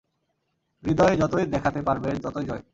হৃদয় যতই দেখাতে পারবে, ততই জয়।